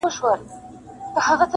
لا ښكارېږي جنايت او فسادونه -